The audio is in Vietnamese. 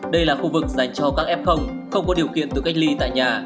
đây là khu vực dành cho các f không có điều kiện tự cách ly tại nhà